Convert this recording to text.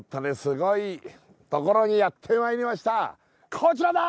こちらだー！